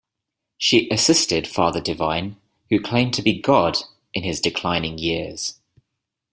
She assisted Father Divine, who claimed to be God, in his declining years.